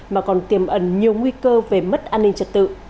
mà còn tiềm ẩn nhiều nguy cơ về mất an ninh trật tự